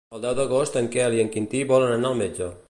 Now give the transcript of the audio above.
El deu d'agost en Quel i en Quintí volen anar al metge.